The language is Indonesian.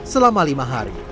selama lima hari